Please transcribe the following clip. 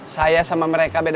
saya sama mereka berdua